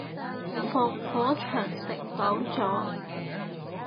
防火長城擋咗